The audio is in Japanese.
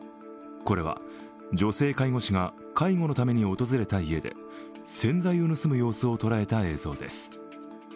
これは女性介護士が介護のために訪れた家で洗剤を盗む様子を捉えた映像です。